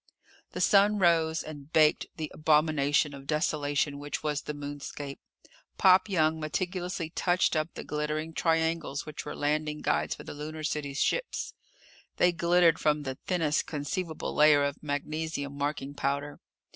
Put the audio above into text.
The sun rose, and baked the abomination of desolation which was the moonscape. Pop Young meticulously touched up the glittering triangles which were landing guides for the Lunar City ships. They glittered from the thinnest conceivable layer of magnesium marking powder.